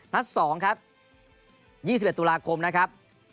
นัด๒ครับ๒๑ตุลาคมนะครับ